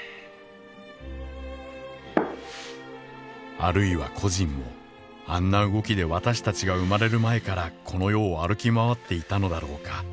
「あるいは故人も、あんな動きで私たちが生まれる前から、この世を歩き回っていたのだろうか。